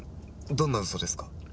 どんな嘘ですか？